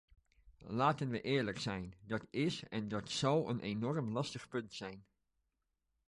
Laten we eerlijk zijn, dat is en dat zal een enorm lastig punt zijn.